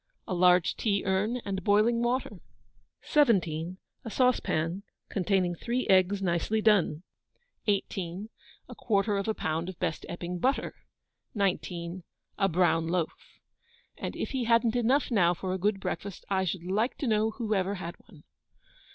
A large tea urn and boiling water. 17. A saucepan, containing three eggs nicely done. 18. A quarter of a pound of best Epping butter. 19. A brown loaf. And if he hadn't enough now for a good breakfast, I should like to know who ever had one?